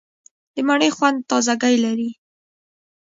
د مڼې خوند تازهګۍ لري.